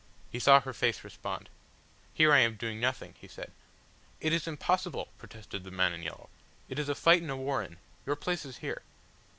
He saw her face respond. "Here I am doing nothing," he said. "It is impossible," protested the man in yellow. "It is a fight in a warren. Your place is here."